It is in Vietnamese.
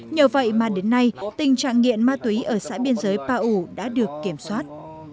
nhờ vậy mà đến nay tình trạng nghiện ma túy ở xã biên giới pa u đã được kiểm soát